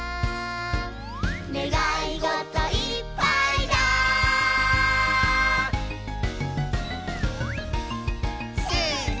「ねがいごといっぱいだ」せの！